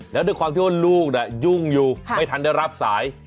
แล้วด้วยความโทษลูกเนี่ยยุ่งอยู่ไม่ทันได้รับสาย